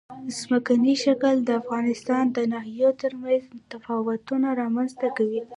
ځمکنی شکل د افغانستان د ناحیو ترمنځ تفاوتونه رامنځ ته کوي.